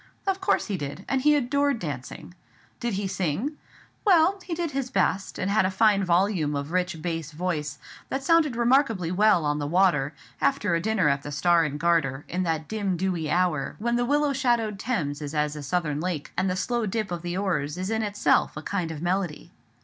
Of course he did, and he adored dancing. Did he sing? Well, he did his best, and had a fine volume of rich bass voice, that sounded remarkably well on the water, after a dinner at the Star and Garter, in that dim dewy hour, when the willow shadowed Thames is as a southern lake, and the slow dip of the oars is in itself a kind of melody.